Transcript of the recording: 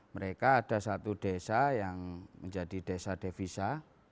mereka ada satu desa yang menjadi desa devisa